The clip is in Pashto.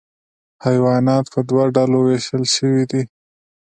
حیوانات په دوه ډلو ویشل شوي دي